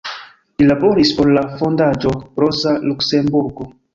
Li laboris por la Fondaĵo Roza Luksemburgo.